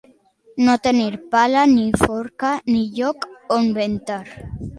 No tenir pala ni forca ni lloc on ventar.